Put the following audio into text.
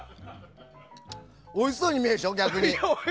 おいしそうに見えるでしょ逆に。